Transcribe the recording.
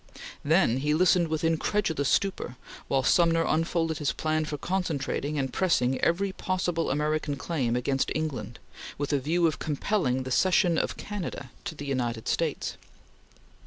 Then he listened with incredulous stupor while Sumner unfolded his plan for concentrating and pressing every possible American claim against England, with a view of compelling the cession of Canada to the United States.